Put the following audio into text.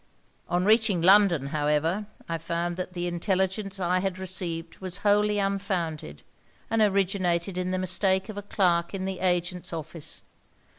On reaching London, however, I found that the intelligence I had received was wholly unfounded, and originated in the mistake of a clerk in the agent's office.